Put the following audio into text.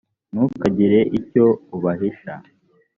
ntukagire icyo ubahisha .